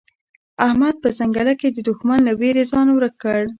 احمد په ځنګله کې د دوښمن له وېرې ځان ورک کړ.